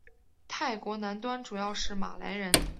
泰国南端主要是马来人。